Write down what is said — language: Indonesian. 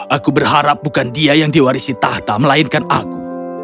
aku berharap bukan dia yang diwarisi tahta melainkan aku